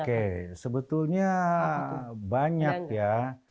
oke sebetulnya banyak ya